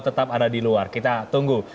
tetap ada di luar kita tunggu